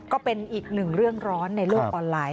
ก็เป็นอีกหนึ่งเรื่องร้อนในโลกออนไลน์